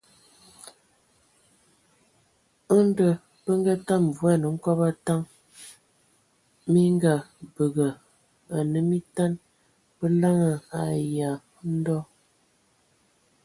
Nao be ngatam voan hkobo a taŋ. minkabǝga ane mitan, be laŋan ayǝa. Edɔ.